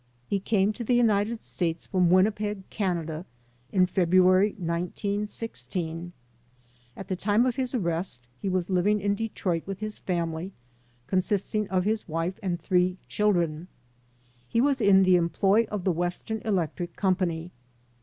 He came to the United States from Winnipeg, Canada, in February, 1916. At the time of his arrest he was living in Detroit with his family, consisting of his wife and three chil dren. He was in the employ of the Western Electric Company.